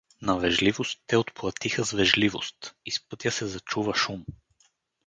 На вежливост те отплатиха с вежливост… Из пътя се зачува шум.